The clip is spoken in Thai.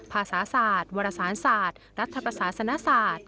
ภาษาศาสตร์วรสารศาสตร์รัฐประศาสนศาสตร์